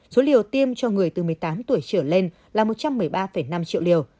số liều tiêm cho người từ một mươi tám tuổi trở lên là một trăm một mươi ba năm triệu liều